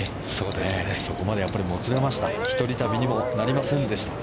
そこまでもつれました。